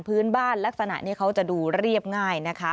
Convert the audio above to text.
พื้นบ้านลักษณะนี้เขาจะดูเรียบง่ายนะคะ